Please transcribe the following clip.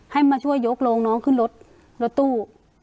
ให้มาช่วยยกโรงน้องขึ้นรถรถตู้